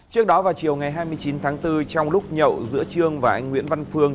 trước đó vào chiều ngày hai mươi chín tháng bốn trong lúc nhậu giữa trương và anh nguyễn văn phương